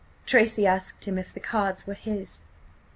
"Tracy asked him if the cards were his.